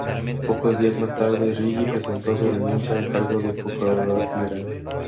Pocos días más tarde, Righi presentó su renuncia al cargo de procurador general.